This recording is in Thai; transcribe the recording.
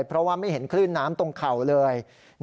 เพราะว่าไม่เห็นคลื่นน้ำตรงเข่าเลย